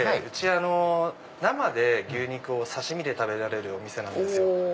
うち生で牛肉を刺し身で食べられるお店なんですよ。